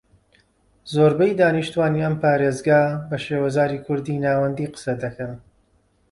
زۆربەی دانیشتوانی ئەم پارێزگا بە شێوەزاری کوردیی ناوەندی قسە دەکەن